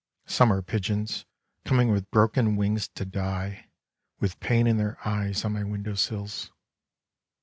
Some are pigeons coming with broken wings to die with pain in their eyes on my window sills.